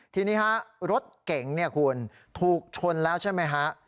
ทีนี้ฮะรถเก๋งเนี่ยคุณถูกชนแล้วใช่ไหมฮะ